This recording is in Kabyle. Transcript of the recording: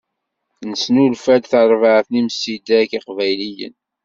Nesnulfa-d tarbaεt n imsidag iqbayliyen.